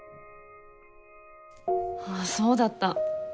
そうだった。